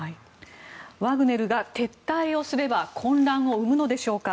ワグネルが撤退をすれば混乱を生むのでしょうか。